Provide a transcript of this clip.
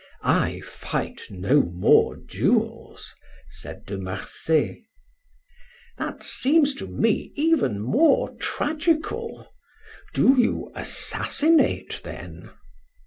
"I fight no more duels," said De Marsay. "That seems to me even more tragical. Do you assassinate, then?"